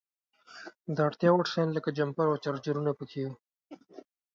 د اړتیا وړ شیان لکه جمپر او چارجرونه په کې وو.